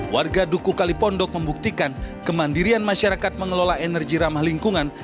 warga duku kalipondok membuktikan kemandirian masyarakat mengelola energi ramah lingkungan